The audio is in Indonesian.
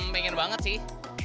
pengen banget sih